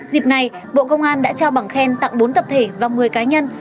dịp này bộ công an đã trao bằng khen tặng bốn tập thể và một mươi cá nhân